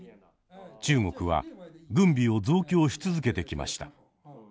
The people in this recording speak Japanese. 中国は軍備を増強し続けてきました。